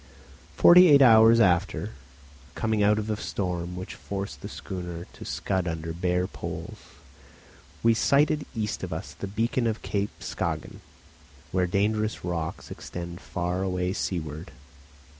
Forty eight hours after, coming out of a storm which forced the schooner to scud under bare poles, we sighted east of us the beacon on Cape Skagen, where dangerous rocks extend far away seaward.